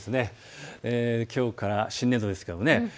きょうから新年度です。